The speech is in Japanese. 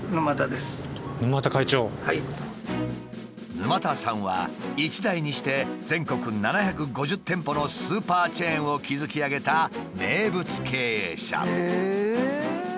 沼田さんは一代にして全国７５０店舗のスーパーチェーンを築き上げた名物経営者。